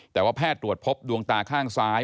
แต่ว่าแพทย์ตรวจพบดวงตาข้างซ้าย